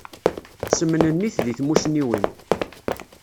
Semnennit di tmusniwin.